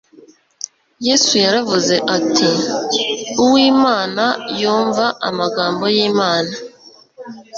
Yesu yaravuze ati :« Uw'Imana yumva amagambo y'Imana.